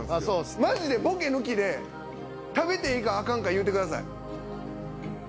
マジでボケ抜きで食べていいかアカンか言うてください。